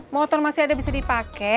motor masih ada bisa dipakai